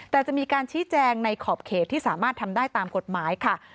แต่จะมีการชี้แจงในขอบเขตที่สามารถทำได้ตามกฎหมายค่ะ